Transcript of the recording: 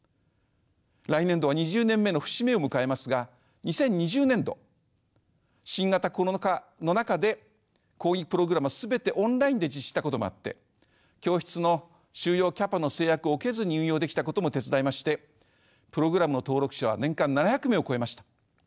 来年度は２０年目の節目を迎えますが２０２０年度新型コロナ禍の中でこういうプログラムは全てオンラインで実施したこともあって教室の収容キャパの制約を受けずに運用できたことも手伝いましてプログラムの登録者は年間７００名を超えました。